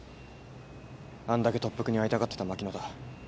あんだけ特服に会いたがってた牧野だ。